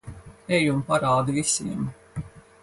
Ej un parādi visiem.